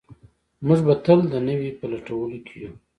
موږ به تل د نوي په لټولو کې یو.